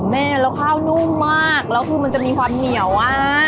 แม่แล้วข้าวนุ่มมากแล้วคือมันจะมีความเหนียวอ่ะ